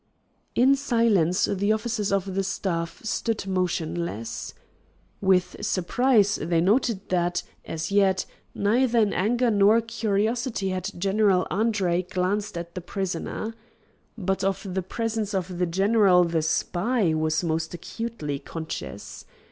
In silence the officers of the staff stood motionless. With surprise they noted that, as yet, neither in anger nor curiosity had General Andre glanced at the prisoner. But of the presence of the general the spy was most acutely conscious.